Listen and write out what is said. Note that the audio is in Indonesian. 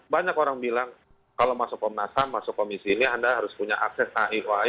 banyak orang bilang kalau masuk komnas ham masuk komisi ini anda harus punya akses hi